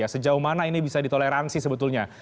sejauh mana ini bisa ditoleransi sebetulnya